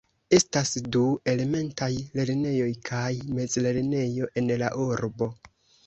Estas du elementaj lernejoj kaj mezlernejo en la urbo.